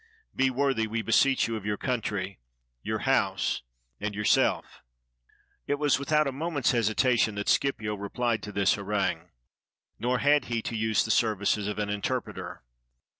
Be worthy, we beseech you, of your country, your house, and yourself." It was without a moment's hesitation that Scipio re phed to this harangue. Nor had he to use the services of an interpreter.